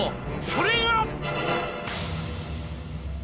「それが」